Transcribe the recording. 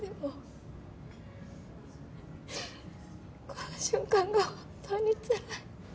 この瞬間が本当につらい。